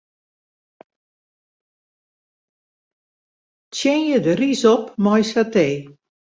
Tsjinje de rys op mei satee.